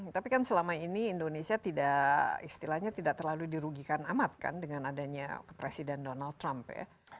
tapi kan selama ini indonesia tidak istilahnya tidak terlalu dirugikan amat kan dengan adanya presiden donald trump ya